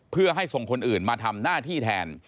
เพื่อให้ส่งคนอื่นมาทำหน้าที่แทน